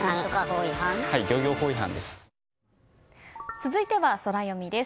続いてはソラよみです。